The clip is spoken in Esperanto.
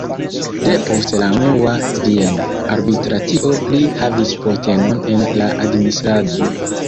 Depost la Unua Viena Arbitracio li havis postenon en la administrado.